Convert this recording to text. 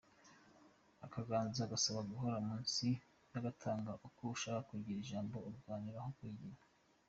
Akaganza gasaba gahora munsi y’agatanga, iyo ushaka kugira ijambo urwanira no kwigira.